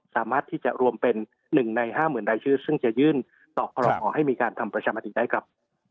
สามารถที่จะรวมเป็น๑ใน๕๐๐๐รายชื่อซึ่งจะยื่นต่อคอรมอให้มีการทำประชามติได้ครับ